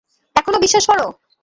এখনো বিশ্বাস করো?